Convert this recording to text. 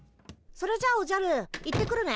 それじゃおじゃる行ってくるね。